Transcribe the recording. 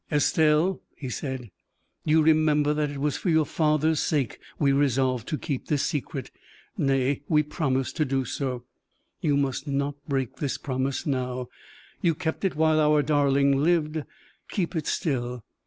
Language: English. "Estelle," he said, "you remember that it was for your father's sake we resolved to keep this secret nay, we promised to do so. You must not break this promise now. You kept it while our darling lived; keep it still.